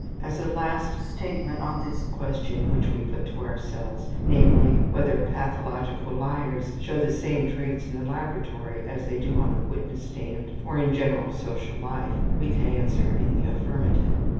As a last statement on this question which we put to ourselves, namely, whether pathological liars show the same traits in the laboratory as they do on the witness stand or in general social life, we can answer in the affirmative.